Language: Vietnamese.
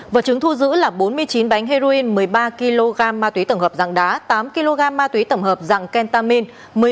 vật chứng thu giữ là bốn mươi chín bánh heroin một mươi ba kg ma túy tổng hợp dạng đá tám kg ma túy tổng hợp dạng kentamin